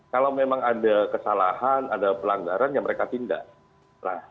kalau memang ada kesalahan ada pelanggaran ya mereka tindak